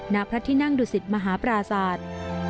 ณพระที่นั่งดุสิตมหาปราศาสตร์